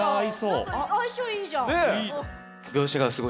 なんか相性いいじゃん。